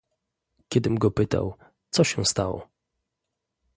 "Kiedym go pytał: co się stało?"